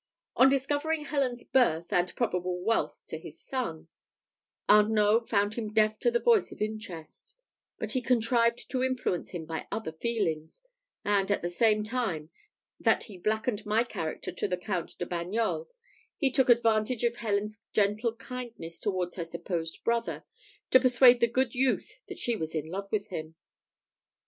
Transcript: On discovering Helen's birth and probable wealth to his son, Arnault found him deaf to the voice of interest; but he contrived to influence him by other feelings, and, at the same time that he blackened my character to the Count de Bagnols, he took advantage of Helen's gentle kindness towards her supposed brother, to persuade the good youth that she was in love with him.